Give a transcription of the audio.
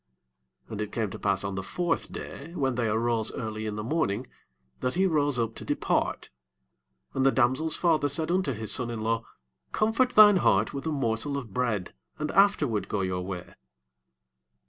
5 And it came to pass on the fourth day, when they arose early in the morning, that he rose up to depart: and the damsel's father said unto his son in law, Comfort thine heart with a morsel of bread, and afterward go your way.